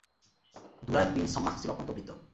দুরায়দ bin Simmah ছিল অত্যন্ত বৃদ্ধ।